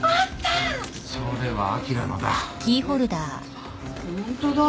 あっホントだ。